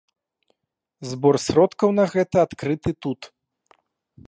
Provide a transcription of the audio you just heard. Збор сродкаў на гэта адкрыты тут.